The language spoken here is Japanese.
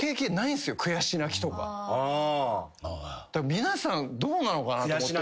皆さんどうなのかなと思って。